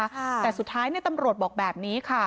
แต่สุดท้ายเนี่ยตำรวจบอกแบบนี้ค่ะ